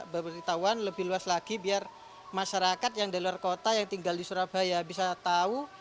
memberitahuan lebih luas lagi biar masyarakat yang di luar kota yang tinggal di surabaya bisa tahu